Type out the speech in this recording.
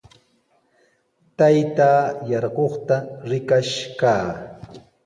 Taytaa yarquqta rikash kaa.